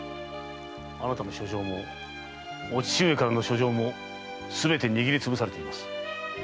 あなたの書状もお父上からの書状もすべて握りつぶされています。